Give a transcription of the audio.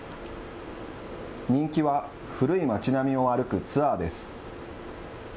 人気は、古い街並みを歩くツアーです。